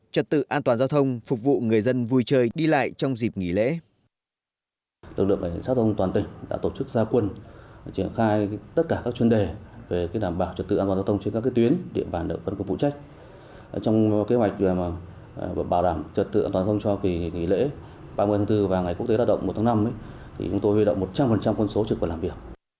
trật tự an toàn giao thông phục vụ người dân vui chơi đi lại trong dịp nghỉ lễ